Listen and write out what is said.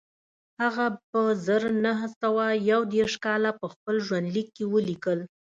هغه په زر نه سوه یو دېرش کال په خپل ژوندلیک کې ولیکل